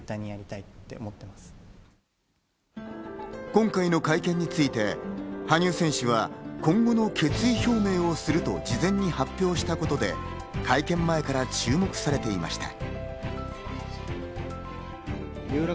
今回の会見について、羽生選手が今後の決意表明をすると事前に発表したことで会見前から注目されていました。